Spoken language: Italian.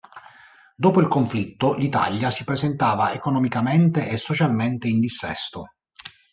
Dopo il conflitto l'Italia si presentava economicamente e socialmente in dissesto.